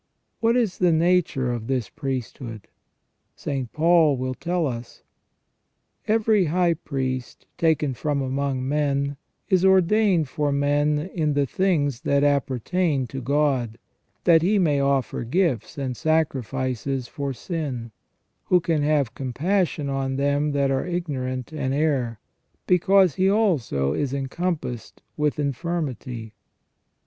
What is the nature of this priesthood ? St. Paul will tell us :" Every high priest taken from among men is ordained for men in the things that appertain to God, that he may offer gifts and sacri fices for sin : who can have compassion on them that are ignorant and err ; because he also is encompassed with infirmity